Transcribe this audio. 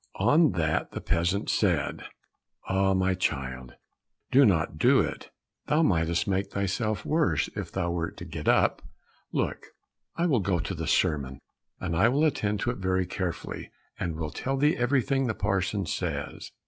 On that the peasant said, "Ah, my child, do not do it—thou mightest make thyself worse if thou wert to get up. Look, I will go to the sermon, and will attend to it very carefully, and will tell thee everything the parson says."